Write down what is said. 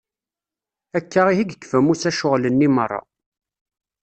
Akka ihi i yekfa Musa ccɣel-nni meṛṛa.